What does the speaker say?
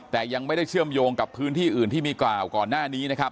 แต่ยังไม่ได้เชื่อมโยงกับพื้นที่อื่นที่มีกล่าวก่อนหน้านี้นะครับ